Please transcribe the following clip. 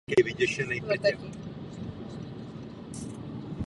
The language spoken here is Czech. Využívá nejvyspělejší technologie a neustále se aktualizuje.